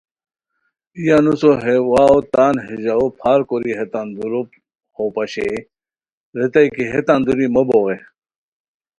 ای انوسو ہے واؤ تان ہے ژاؤو پھار کوری ہیتان ہے دورو ہو پاشئے ریتائے کی ہیتان دوری مو بوغے